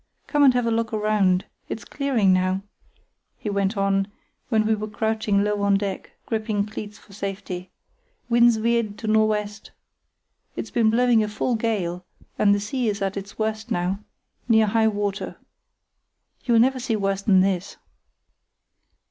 Come and have a look round. It's clearing now," he went on, when we were crouching low on deck, gripping cleats for safety. "Wind's veered to nor' west. It's been blowing a full gale, and the sea is at its worst now—near high water. You'll never see worse than this."